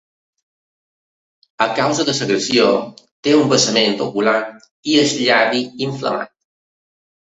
A causa de l’agressió, té un vessament ocular i el llavi inflamat.